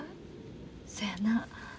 そやな。